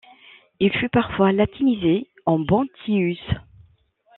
Il fut parfois latinisé en Bontius.